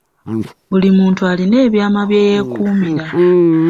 Buli muntu alina ebyama bye yeekuumira.